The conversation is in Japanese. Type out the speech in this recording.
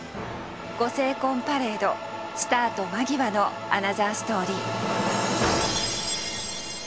ご成婚パレードスタート間際のアナザーストーリー。